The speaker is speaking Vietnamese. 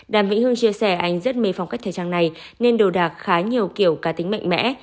đàm vĩnh hưng chia sẻ anh rất mê phong cách thời trang này nên đồ đạc khá nhiều kiểu ca tính mạnh mẽ